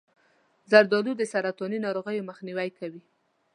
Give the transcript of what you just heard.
زردآلو د سرطاني ناروغیو مخنیوی کوي.